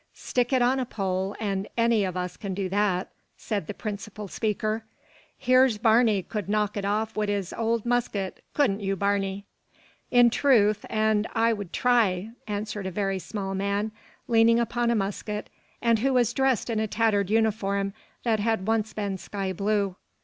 "Stick it on a pole, and any o' us can do that," said the principal speaker. "Here's Barney could knock it off wid his owld musket. Couldn't you, Barney?" "In truth, an' I could thry," answered a very small man, leaning upon a musket, and who was dressed in a tattered uniform that had once been sky blue.